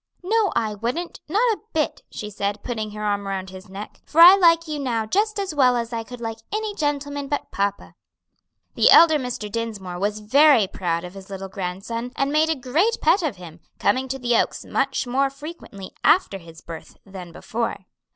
"No, I wouldn't, not a bit," she said, putting her arm round his neck, "for I like you now just as well as I could like any gentleman but papa." The elder Mr. Dinsmore was very proud of his little grandson and made a great pet of him, coming to the Oaks much more frequently after his birth than before.